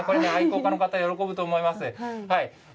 これね、愛好家の方、喜ぶと思います。